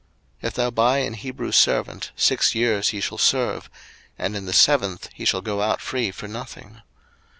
02:021:002 If thou buy an Hebrew servant, six years he shall serve: and in the seventh he shall go out free for nothing.